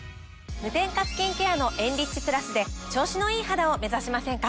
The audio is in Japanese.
無添加スキンケアのエンリッチプラスで調子のいい肌を目指しませんか？